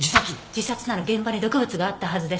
自殺なら現場に毒物があったはずです。